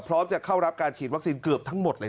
พร้อมจะเข้ารับการฉีดวัคซีนเกือบทั้งหมดเลย